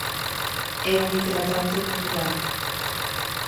É un hidratante natural.